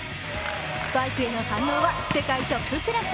スパイクへの反応は世界トップクラス。